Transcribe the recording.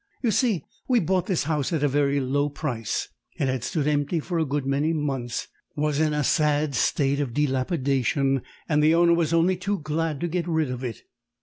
"You see, we bought this house at a very low price; it had stood empty for a good many months, was in a sad state of dilapidation, and the owner was only too glad to get rid of it.